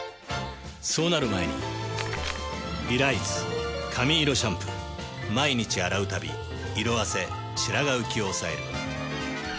そうなる前に「リライズ髪色シャンプー」毎日洗うたび色あせ・白髪浮きを抑える。